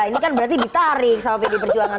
ini kan berarti ditarik sama pd perjuangan